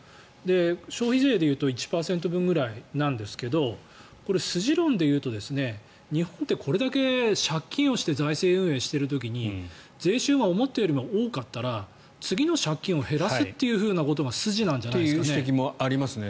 消費税でいうと１％ぐらいなんですがこれ、筋論で言うと日本ってこれだけ借金をして財政運営をしている時に税収が思ったよりも多かったら次の借金を減らすということがという指摘もありますね。